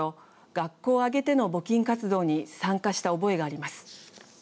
学校を挙げての募金活動に参加した覚えがあります。